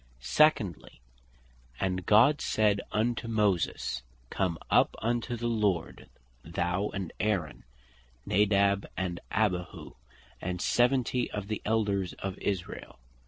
Secondly, (Exod. 24.1, 2.) "And God said unto Moses, Come up unto the Lord, thou, and Aaron, Nadab and Abihu, and seventy of the Elders of Israel.